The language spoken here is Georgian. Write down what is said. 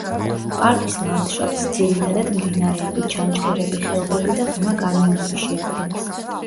პარკის ლანდშაფტს ძირითადად მდინარეები, ჩანჩქერები, ხეობები და ღრმა კანიონები შეადგენს.